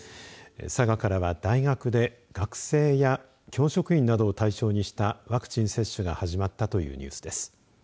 佐賀からは、大学で学生や教職員などを対象にしたワクチン接種が始まったというニュースです。